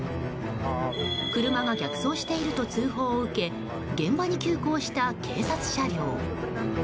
車が逆走していると通報を受け現場に急行した警察車両。